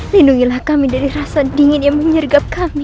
lindungilah kami dari rasa dingin yang menyergap kami